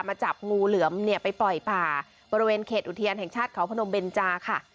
จับงูเหลือมเนี่ยไปปล่อยป่าบริเวณเขตอุทยานแห่งชาติเขาพนมเบนจาค่ะ